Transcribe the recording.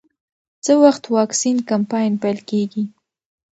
څه وخت واکسین کمپاین پیل کېږي؟